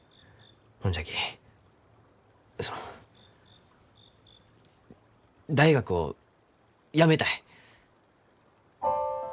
ほんじゃきその大学を辞めたい。